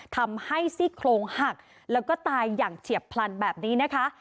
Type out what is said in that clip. ทำให้ซี่โครงหักแล้วก็ตายอย่างเฉียบพลันแบบนี้นะคะ